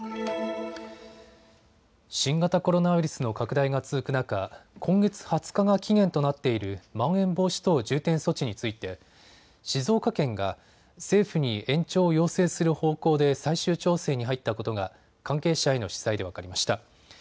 新型コロナウイルスの拡大が続く中、今月２０日が期限となっているまん延防止等重点措置について静岡県が政府に延長を要請する方向で最終調整に入ったことが関係者への取材で分かりました。